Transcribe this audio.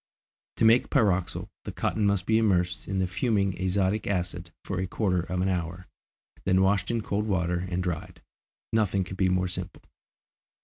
To make pyroxyle, the cotton must be immersed in the fuming azotic acid for a quarter of an hour, then washed in cold water and dried. Nothing could be more simple.